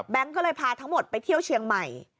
ก็เลยพาทั้งหมดไปเที่ยวเชียงใหม่